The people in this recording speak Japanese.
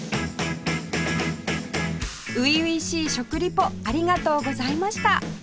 初々しい食リポありがとうございました